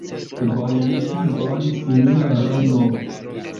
Bonan tagon sinjoro M.!